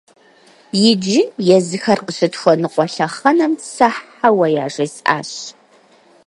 Иджы, езыхэр къыщытхуэныкъуэ лъэхъэнэм, сэ «хьэуэ» яжесӀащ!